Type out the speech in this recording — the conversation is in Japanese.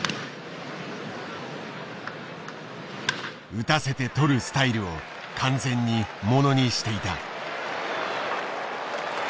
打たせてとるスタイルを完全にものにしていた。